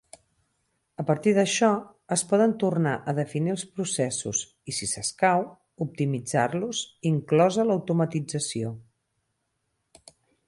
A partir d'això, es poden tornar a definir els processos i, si escau, optimitzar-los, inclosa l'automatització.